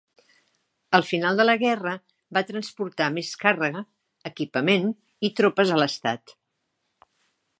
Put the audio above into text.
Al final de la guerra va transportar més càrrega, equipament i tropes a l"estat.